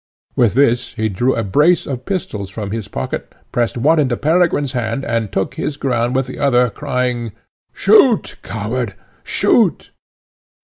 With this he drew a brace of pistols from his pocket, pressed one into Peregrine's hand, and took his ground with the other, crying, "Shoot, coward! shoot!"